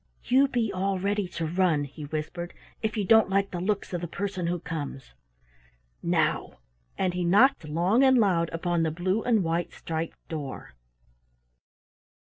"You be all ready to run," he whispered, "if you don't like the looks of the person who comes. Now!" And he knocked long and loud upon the blue and white striped door.